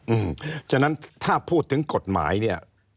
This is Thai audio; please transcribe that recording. เพราะฉะนั้นถ้าพูดถึงกฎหมายเนี่ย